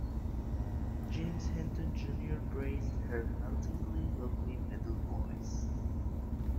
James Hinton, Junior praised her "meltingly lovely middle voice".